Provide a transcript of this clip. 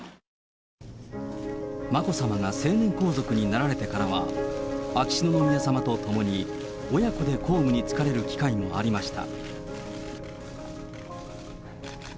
眞子さまが成年皇族になられてからは、秋篠宮さまと共に親子で公務につかれる機会もありました。